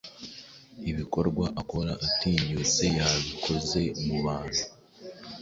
Ibikorwa akora atinyutseyabikoze mubantu